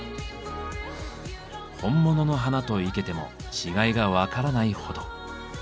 本物の花と生けても違いが分からないほど。